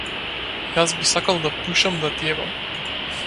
Јас би сакал да пушам, да ти ебам.